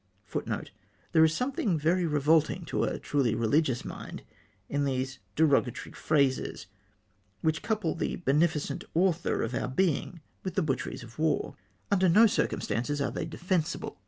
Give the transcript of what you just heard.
It is not surprising, then, that the press began to * There is sometliing very revolting to a truly religious mind in these derogatory phrases, which couple the beneficent Author of our being with the butcheries of war. Under no circumstances are they defensible.